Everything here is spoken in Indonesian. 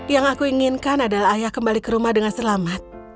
yang aku inginkan adalah ayah kembali ke rumah dengan selamat